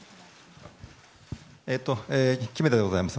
木目田でございます。